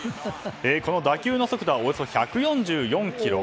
この打球の速度はおよそ１４４キロ。